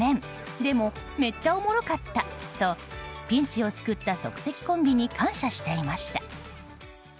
でもめっちゃおもろかったとピンチを救った即席コンビに感謝していました。